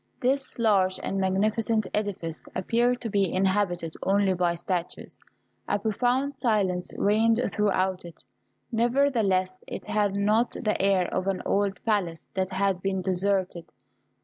This large and magnificent edifice appeared to be inhabited only by statues. A profound silence reigned throughout it; nevertheless it had not the air of an old palace that had been deserted.